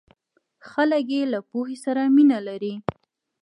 خلک یې له پوهې سره مینه لري.